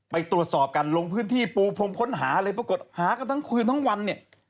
ไปตรวจสอบกันลงพื้นที่ปูพรมค้นหาเลยปรากฏหากันทั้งคืนทั้งวันเนี่ย